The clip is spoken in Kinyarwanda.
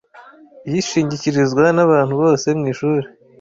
Yishingikirizwa nabantu bose mwishuri.